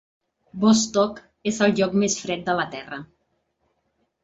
Vostok és el lloc més fred de la Terra.